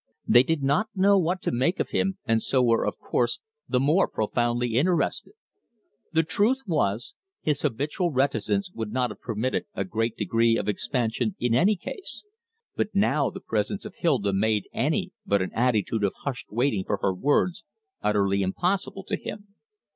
They did not know what to make of him, and so were, of course, the more profoundly interested. The truth was, his habitual reticence would not have permitted a great degree of expansion in any case, but now the presence of Hilda made any but an attitude of hushed waiting for her words utterly impossible to him.